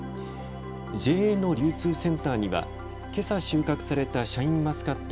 ＪＡの流通センターには、けさ収穫されたシャインマスカット